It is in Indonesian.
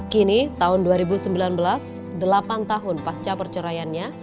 kini tahun dua ribu sembilan belas delapan tahun pasca perceraiannya